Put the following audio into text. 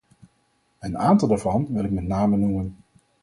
Een aantal daarvan wil ik met name noemen.